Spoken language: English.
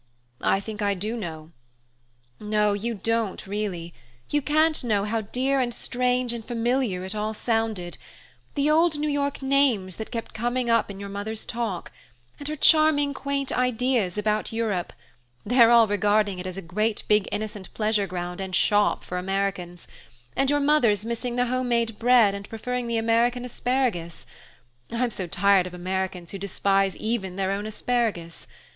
"I think I do know " "No, you don't, really; you can't know how dear and strange and familiar it all sounded: the old New York names that kept coming up in your mother's talk, and her charming quaint ideas about Europe their all regarding it as a great big innocent pleasure ground and shop for Americans; and your mother's missing the home made bread and preferring the American asparagus I'm so tired of Americans who despise even their own asparagus!